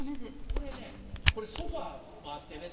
これねこれソファーもあってね